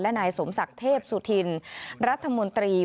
นายสมศักดิ์เทพสุธินรัฐมนตรี